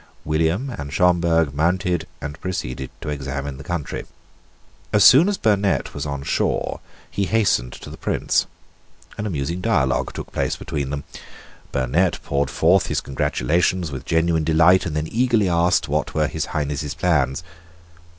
William and Schomberg mounted and proceeded to examine the country. As soon as Burnet was on shore he hastened to the Prince. An amusing dialogue took place between them. Burnet poured forth his congratulations with genuine delight, and then eagerly asked what were His Highness's plans.